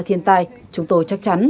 thiên tai chúng tôi chắc chắn